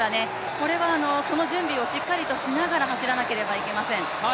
これはその準備をしっかりしながら走らなければなりません。